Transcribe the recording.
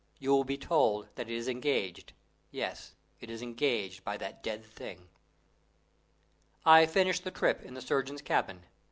You will be told that it is engaged yes it is engaged by that dead thing. I finished the trip in the surgeon's cabin.